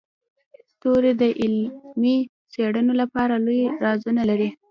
ستوري د علمي څیړنو لپاره لوی رازونه لري.